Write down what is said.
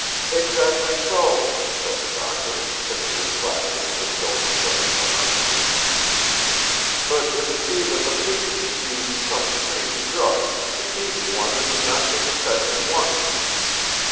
"Exactly so!" said the Doctor, fixing his glasses as though preparing for an argument. "But if it be that the patient has used some strange drug, it may be one that does not take effect at once.